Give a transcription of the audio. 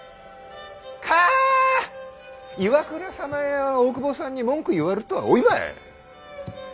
かぁ岩倉様や大久保さんに文句言わるっとはおいばい。